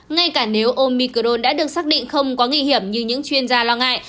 ngay cả nếu omicron đã được xác định không quá nguy hiểm như những chuyên gia lo ngại